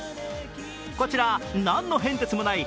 こちら何の変哲もない